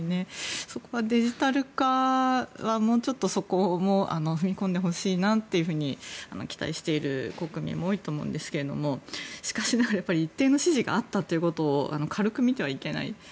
そこがデジタル化はもうちょっとそこも踏み込んでほしいなと期待している国民も多いと思うんですけどしかしながら一定の支持があったということを軽く見てはいけない。